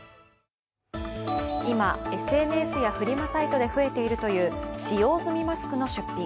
今、ＳＮＳやフリマサイトで増えているという使用済みマスクの出品。